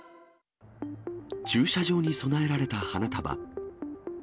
駐車場に供えられた花束。